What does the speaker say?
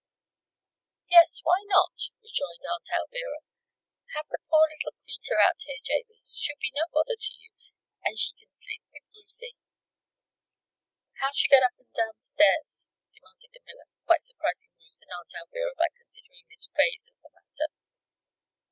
"Yes; why not?" rejoined Aunt Alvirah. "Have the poor leetle creetur out here, Jabez. She'll be no bother to you. And she kin sleep with Ruthie." "How'll she get up and down stairs?" demanded the miller, quite surprising Ruth and Aunt Alvirah by considering this phase of the matter.